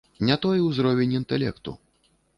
Не той узровень інтэлекту.